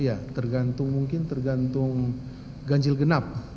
iya tergantung mungkin tergantung ganjil genap